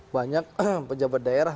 banyak pejabat daerah